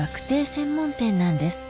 専門店なんです